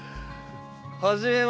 はじめまして。